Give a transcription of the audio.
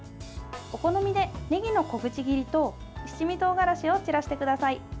お好みでねぎの小口切りと七味とうがらしを散らしてください。